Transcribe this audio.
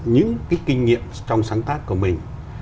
những cái kinh nghiệm trong sáng tác của mình